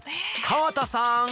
川田さん